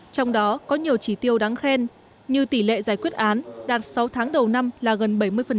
trong đó có nhiều chỉ tiêu đáng khen như tỷ lệ giải quyết án đạt sáu tháng đầu năm là gần bảy mươi